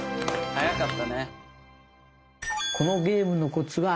早かったね！